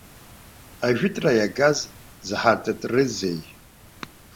Ажәытәра иагаз зҳартытрызеи?